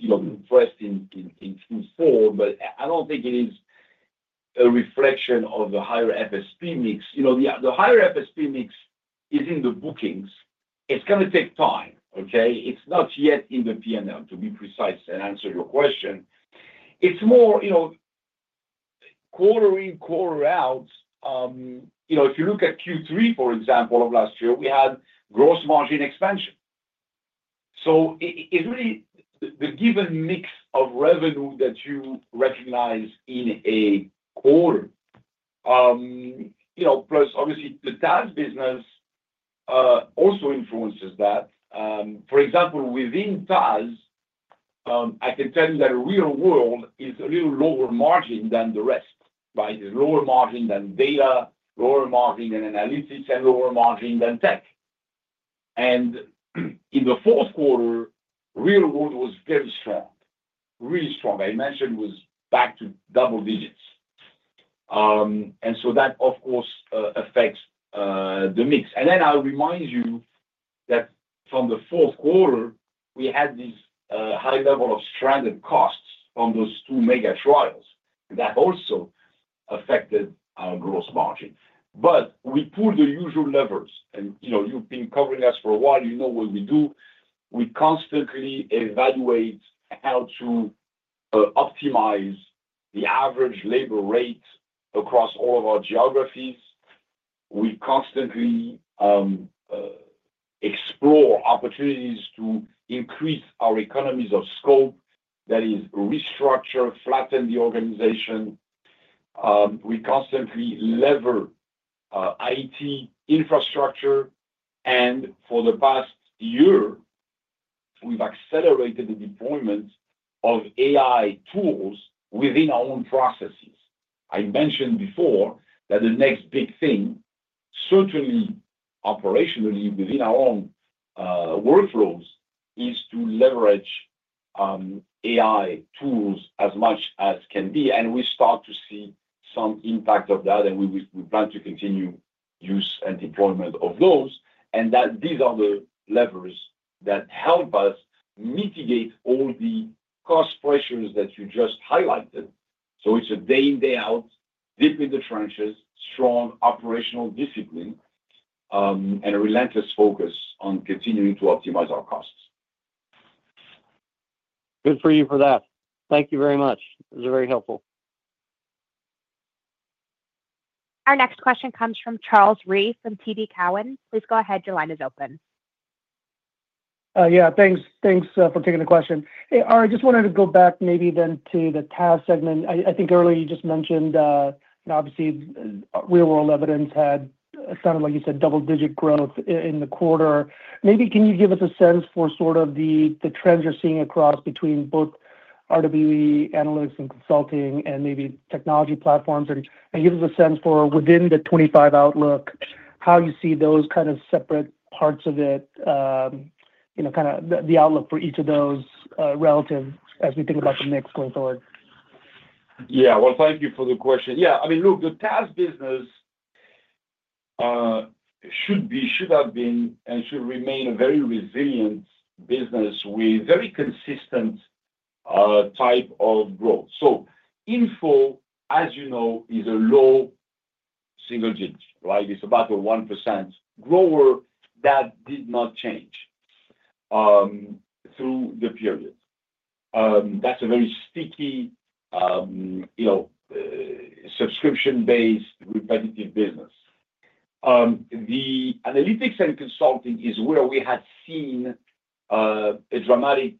depressed in Q4, but I don't think it is a reflection of the higher FSP mix. The higher FSP mix is in the bookings. It's going to take time. Okay? It's not yet in the P&L, to be precise and answer your question. It's more quarter in, quarter out. If you look at Q3, for example, of last year, we had gross margin expansion. So it's really the given mix of revenue that you recognize in a quarter, plus obviously the TAS business also influences that. For example, within TAS, I can tell you that real world is a little lower margin than the rest, right? It's lower margin than data, lower margin than analytics, and lower margin than tech. And in the fourth quarter, real world was very strong. Really strong. I mentioned it was back to double digits. And so that, of course, affects the mix. And then I remind you that from the fourth quarter, we had this high level of stranded costs from those two mega trials that also affected our gross margin. But we pulled the usual levers. And you've been covering us for a while. You know what we do. We constantly evaluate how to optimize the average labor rate across all of our geographies. We constantly explore opportunities to increase our economies of scope, that is, restructure, flatten the organization. We constantly lever IT infrastructure. And for the past year, we've accelerated the deployment of AI tools within our own processes. I mentioned before that the next big thing, certainly operationally within our own workflows, is to leverage AI tools as much as can be. And we start to see some impact of that, and we plan to continue use and deployment of those. And these are the levers that help us mitigate all the cost pressures that you just highlighted. So it's a day in, day out, deep in the trenches, strong operational discipline, and a relentless focus on continuing to optimize our costs. Good for you for that. Thank you very much. It was very helpful. Our next question comes from Charles Rhyee from TD Cowen. Please go ahead. Your line is open. Yeah. Thanks for taking the question. Ari, I just wanted to go back maybe then to the TAS segment. I think earlier you just mentioned, obviously, real-world evidence had sounded like you said double-digit growth in the quarter. Maybe can you give us a sense for sort of the trends you're seeing across between both RWE analytics and consulting and maybe technology platforms? And give us a sense for within the 25 outlook, how you see those kind of separate parts of it, kind of the outlook for each of those relative as we think about the mix going forward. Yeah. Well, thank you for the question. Yeah. I mean, look, the TAS business should have been and should remain a very resilient business with very consistent type of growth. So, info, as you know, is a low single-digit. Right? It's about a 1% grower that did not change through the period. That's a very sticky subscription-based repetitive business. The analytics and consulting is where we had seen a dramatic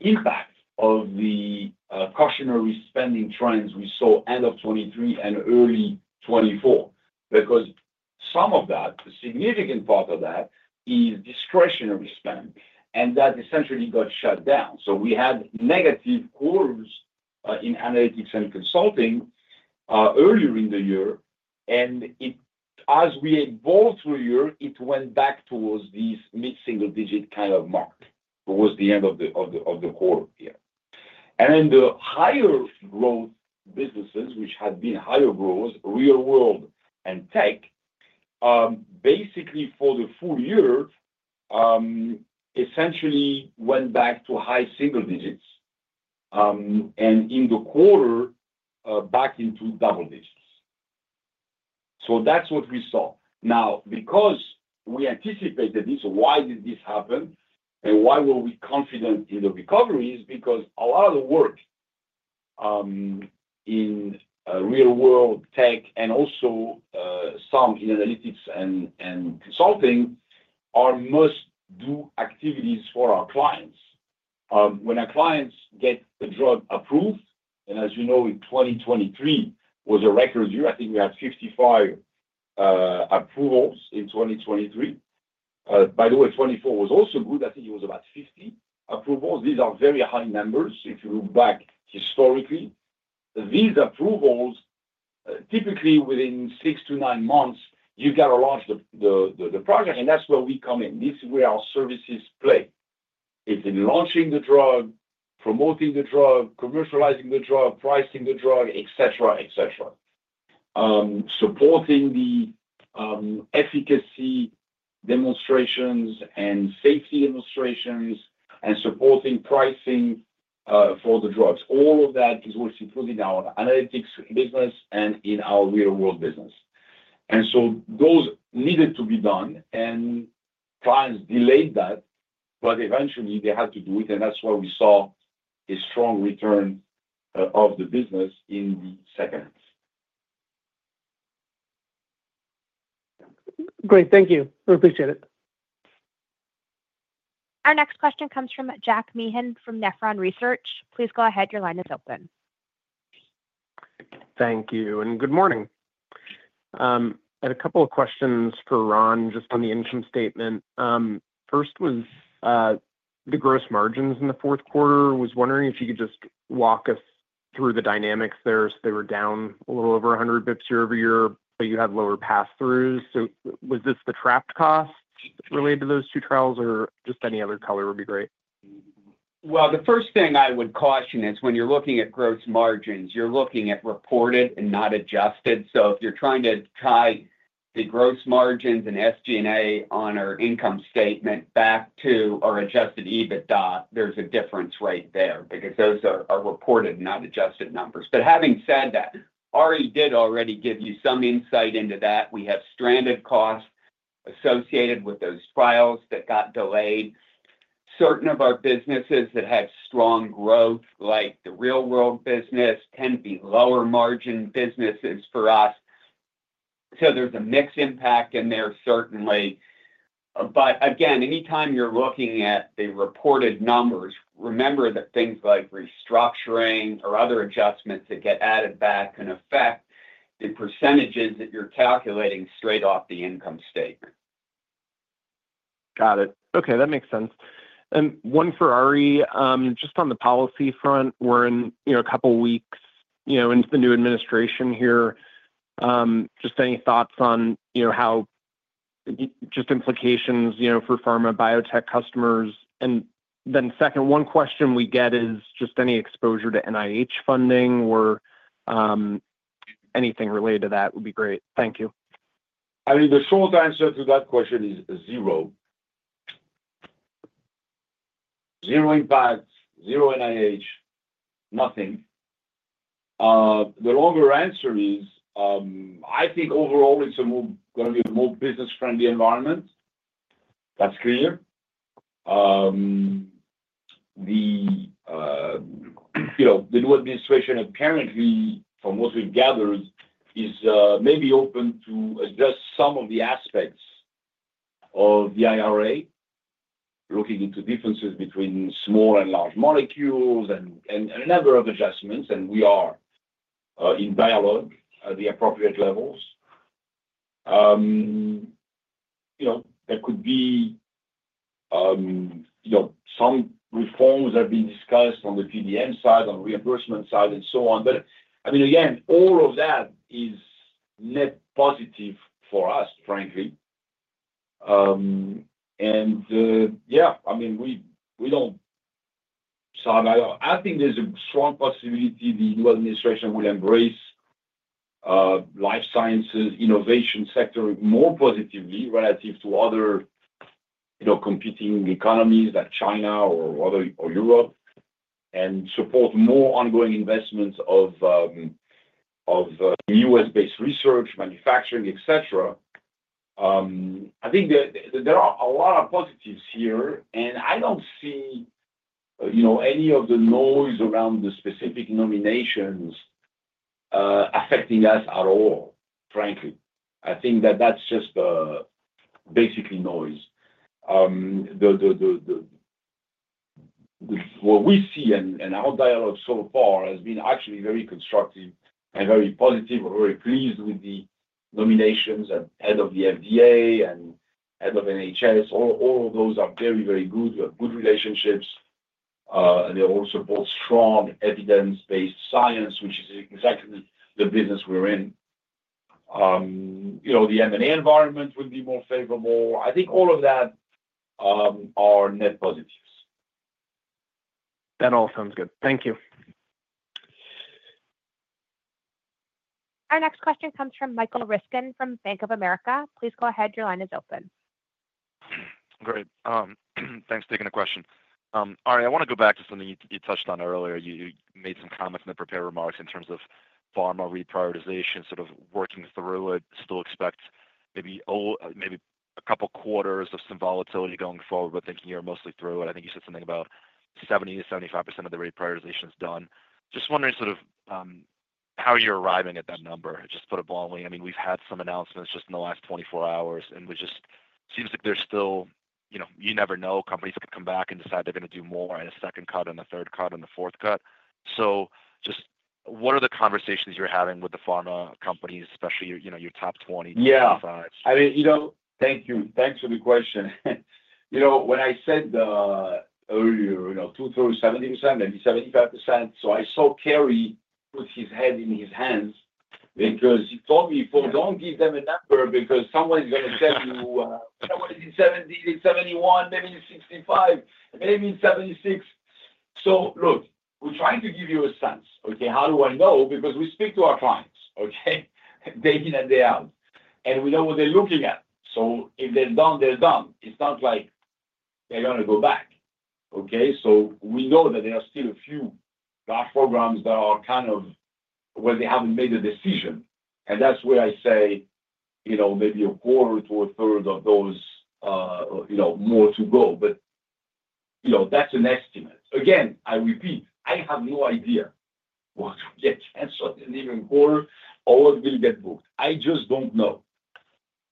impact of the cautionary spending trends we saw end of 2023 and early 2024 because some of that, a significant part of that, is discretionary spend. And that essentially got shut down. So we had negative quarters in analytics and consulting earlier in the year. And as we evolved through the year, it went back towards these mid-single-digit kind of mark towards the end of the quarter here. And then the higher growth businesses, which had been higher growth, real-world and tech, basically for the full year, essentially went back to high single-digits. And in the quarter, back into double-digits. So that's what we saw. Now, because we anticipated this, why did this happen? And why were we confident in the recoveries? Because a lot of the work in real-world tech and also some in analytics and consulting are must-do activities for our clients. When our clients get the drug approved, and as you know, in 2023 was a record year, I think we had 55 approvals in 2023. By the way, 2024 was also good. I think it was about 50 approvals. These are very high numbers if you look back historically. These approvals, typically within six to nine months, you've got to launch the project. And that's where we come in. This is where our services play. It's in launching the drug, promoting the drug, commercializing the drug, pricing the drug, etc., etc. Supporting the efficacy demonstrations and safety demonstrations and supporting pricing for the drugs. All of that is what's included in our analytics business and in our real-world business. And so those needed to be done. And clients delayed that, but eventually, they had to do it. And that's why we saw a strong return of the business in the second half. Great. Thank you. We appreciate it. Our next question comes from Jack Meehan from Nephron Research. Please go ahead. Your line is open. Thank you. And good morning. I had a couple of questions for Ron just on the interim statement. First was the gross margins in the fourth quarter. I was wondering if you could just walk us through the dynamics there. So they were down a little over 100 basis points year over year, but you had lower pass-throughs. So was this the trapped cost related to those two trials, or just any other color would be great? The first thing I would caution is when you're looking at gross margins, you're looking at reported and not adjusted. So if you're trying to tie the gross margins and SG&A on our income statement back to our Adjusted EBITDA, there's a difference right there because those are reported and not adjusted numbers. But having said that, Ari did already give you some insight into that. We have stranded costs associated with those trials that got delayed. Certain of our businesses that had strong growth, like the real-world business, tend to be lower margin businesses for us. So there's a mixed impact in there certainly. But again, anytime you're looking at the reported numbers, remember that things like restructuring or other adjustments that get added back can affect the percentages that you're calculating straight off the income statement. Got it. Okay. That makes sense. One for Ari, just on the policy front. We're a couple of weeks into the new administration here. Just any thoughts on the implications for pharma biotech customers? And then, second, one question we get is just any exposure to NIH funding or anything related to that would be great. Thank you. I mean, the short answer to that question is zero. Zero impact, zero NIH, nothing. The longer answer is, I think overall, it's going to be a more business-friendly environment. That's clear. The new administration, apparently, from what we've gathered, is maybe open to address some of the aspects of the IRA, looking into differences between small and large molecules and a number of adjustments. And we are in dialogue at the appropriate levels. There could be some reforms that have been discussed on the PBM side, on the reimbursement side, and so on. But I mean, again, all of that is net positive for us, frankly. And yeah, I mean, we don't, so I think there's a strong possibility the new administration will embrace life sciences innovation sector more positively relative to other competing economies like China or Europe and support more ongoing investments of U.S.-based research, manufacturing, etc. I think there are a lot of positives here. And I don't see any of the noise around the specific nominations affecting us at all, frankly. I think that that's just basically noise. What we see in our dialogue so far has been actually very constructive and very positive. We're very pleased with the nominations at head of the FDA and head of NIH. All of those are very, very good. We have good relationships. They all support strong evidence-based science, which is exactly the business we're in. The M&A environment would be more favorable. I think all of that are net positives. That all sounds good. Thank you. Our next question comes from Michael Ryskin from Bank of America. Please go ahead. Your line is open. Great. Thanks for taking the question. Ari, I want to go back to something you touched on earlier. You made some comments in the prepared remarks in terms of pharma reprioritization, sort of working through it, still expect maybe a couple of quarters of some volatility going forward, but thinking you're mostly through it. I think you said something about 70%-75% of the reprioritization is done. Just wondering sort of how you're arriving at that number, just put it bluntly. I mean, we've had some announcements just in the last 24 hours, and it just seems like there's still. You never know. Companies could come back and decide they're going to do more in a second cut and a third cut and a fourth cut. So just what are the conversations you're having with the pharma companies, especially your top 20, top five? Yeah. I mean, thank you. Thanks for the question. When I said earlier, 2%-70%, maybe 75%, so I saw Kerri put his head in his hands because he told me, "Phil, don't give them a number because someone is going to tell you, 'Well, what is it? 70%-71%, maybe it's 65%, maybe it's 76%.'" So look, we're trying to give you a sense, okay? How do I know? Because we speak to our clients, okay, day in and day out, and we know what they're looking at. So if they're done, they're done. It's not like they're going to go back, okay? So we know that there are still a few large programs that are kind of where they haven't made a decision. And that's where I say maybe a quarter to a third of those more to go. But that's an estimate. Again, I repeat, I have no idea what will get canceled in the ensuing quarter or what will get booked. I just don't know,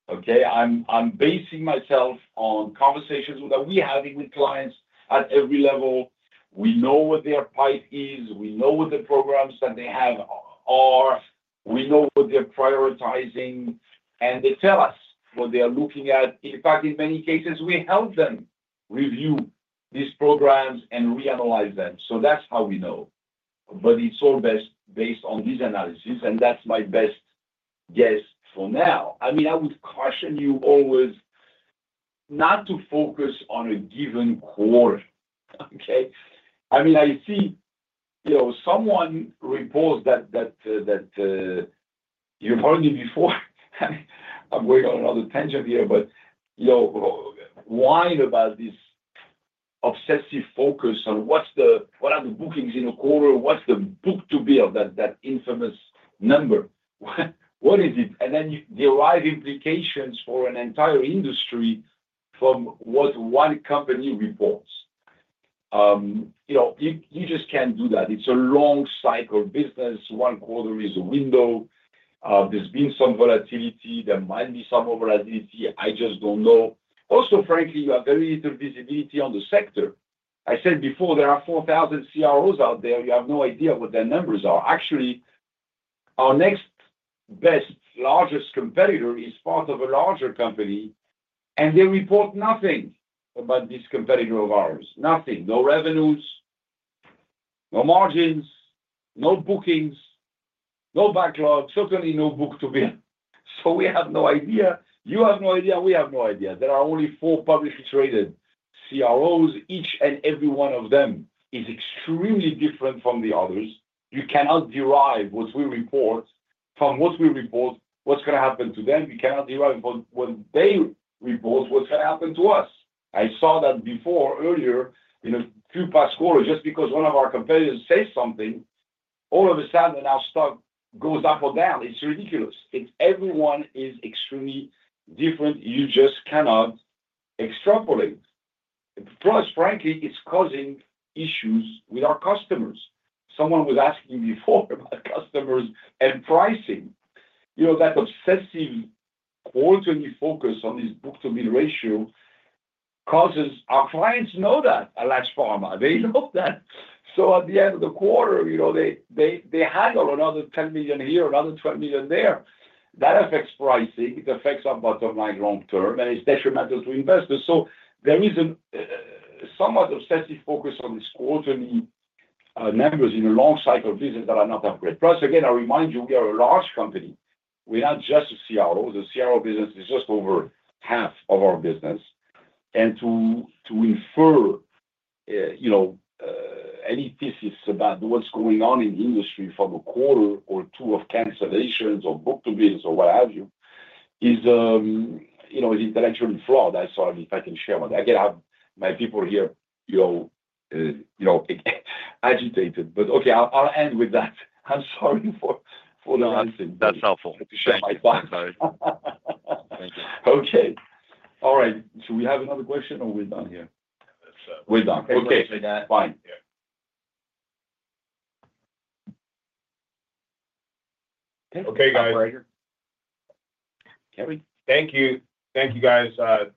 okay? I'm basing myself on conversations that we're having with clients at every level. We know what their pipe is. We know what the programs that they have are. We know what they're prioritizing. And they tell us what they are looking at. In fact, in many cases, we help them review these programs and reanalyze them. So that's how we know. But it's all based on these analyses. And that's my best guess for now. I mean, I would caution you always not to focus on a given quarter, okay? I mean, I see. Someone reports that you've heard me before. I'm going on another tangent here, but when I whine about this obsessive focus on what are the bookings in the quarter, what's the book-to-bill, that infamous number. What is it? And then there are implications for an entire industry from what one company reports. You just can't do that. It's a long cycle business. One quarter is a window. There's been some volatility. There might be some overlapping activity. I just don't know. Also, frankly, you have very little visibility on the sector. I said before, there are 4,000 CROs out there. You have no idea what their numbers are. Actually, our next best, largest competitor is part of a larger company, and they report nothing about this competitor of ours. Nothing. No revenues, no margins, no bookings, no backlog, certainly no book-to-bill. So we have no idea. You have no idea. We have no idea. There are only four publicly traded CROs. Each and every one of them is extremely different from the others. You cannot derive what we report from what they report, what's going to happen to them. You cannot derive what they report, what's going to happen to us. I saw that before, earlier, in a few past quarters. Just because one of our competitors says something, all of a sudden, our stock goes up or down. It's ridiculous. Everyone is extremely different. You just cannot extrapolate. Plus, frankly, it's causing issues with our customers. Someone was asking me before about customers and pricing. That obsessive quarterly focus on this book-to-bill ratio causes our clients to know that at large pharma. They know that. So at the end of the quarter, they haggle another $10 million here, another $12 million there. That affects pricing. It affects our bottom line long term, and it's detrimental to investors. So there is somewhat obsessive focus on these quarterly numbers in a long cycle business that are not that great. Plus, again, I remind you, we are a large company. We're not just a CRO. The CRO business is just over half of our business. And to infer any thesis about what's going on in the industry for the quarter or two of cancellations or book-to-bills or what have you is intellectually flawed. I'm sorry if I can share with that. Again, my people here are agitated. But okay, I'll end with that. I'm sorry for the answer. No. That's helpful. I appreciate it. Thank you. Okay. All right. So we have another question, or we're done here? We're done. Okay. Fine. Okay, guys. Kerri? Thank you. Thank you, guys.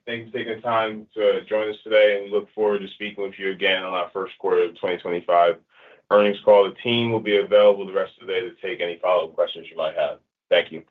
Thanks for taking the time to join us today. And we look forward to speaking with you again on our first quarter of 2025 earnings call. The team will be available the rest of the day to take any follow-up questions you might have. Thank you.